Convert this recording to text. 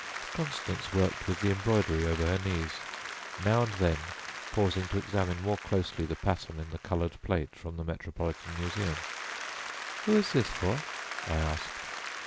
Constance worked with the embroidery over her knees, now and then pausing to examine more closely the pattern in the coloured plate from the Metropolitan Museum. "Who is this for?" I asked.